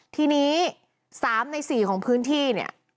ทีนี้๓ใน๔ของพื้นที่เนี่ย